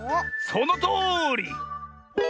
そのとおり！